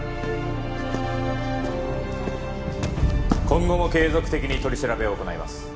今後も継続的に取り調べを行います